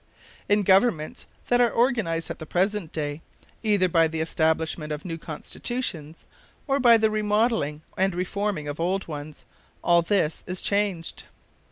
In governments that are organized at the present day, either by the establishment of new constitutions, or by the remodeling and reforming of old ones, all this is changed.